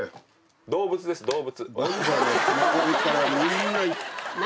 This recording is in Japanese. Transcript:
動物です動物。